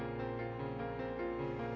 boleh kalian belajar